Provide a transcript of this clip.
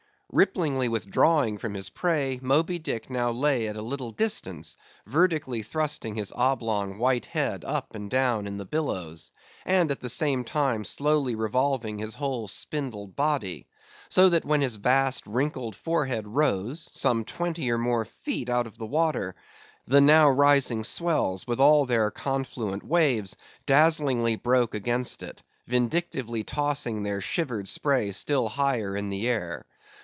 Ripplingly withdrawing from his prey, Moby Dick now lay at a little distance, vertically thrusting his oblong white head up and down in the billows; and at the same time slowly revolving his whole spindled body; so that when his vast wrinkled forehead rose—some twenty or more feet out of the water—the now rising swells, with all their confluent waves, dazzlingly broke against it; vindictively tossing their shivered spray still higher into the air.